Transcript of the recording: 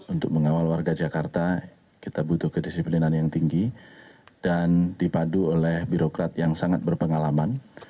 untuk mengawal warga jakarta kita butuh kedisiplinan yang tinggi dan dipadu oleh birokrat yang sangat berpengalaman